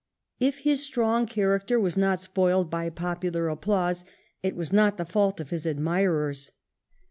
If his strong character was not spoiled by popular applause, it was not the fault of his admirers.